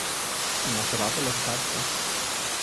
Imaš rada lončarstvo?